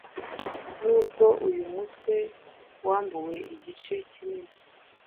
Nubwo uyu mutwe wambuwe igice kinini